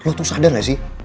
lo tuh sadar gak sih